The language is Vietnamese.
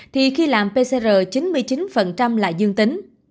thì khi làm pcr chín mươi chín là dương tính